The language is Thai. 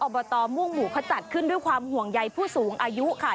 อบตม่วงหมู่เขาจัดขึ้นด้วยความห่วงใยผู้สูงอายุค่ะ